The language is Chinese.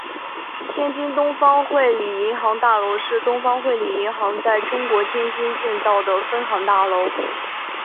天津东方汇理银行大楼是东方汇理银行在中国天津建造的分行大楼。